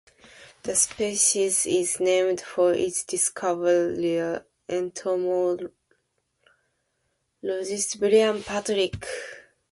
The species is named for its discoverer, entomologist Brian Patrick.